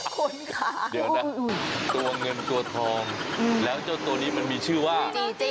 คุณค่ะเดี๋ยวนะตัวเงินตัวทองแล้วเจ้าตัวนี้มันมีชื่อว่า